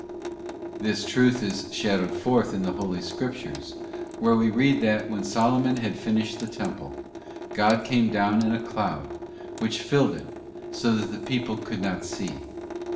This truth is shadowed forth in the Holy Scriptures, where we read that, when Solomon had finished the Temple, God came down in a cloud, which filled it, so that the people could not see.